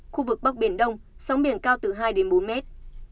khu vực bắc biển đông sóng biển cao từ hai đến bốn mét